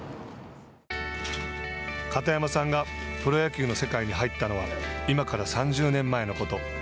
片山さんがプロ野球の世界に入ったのは今から３０年前のこと。